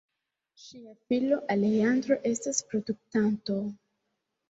Ŝia filo Alejandro estas produktanto.